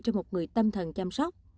cho một người tâm thần chăm sóc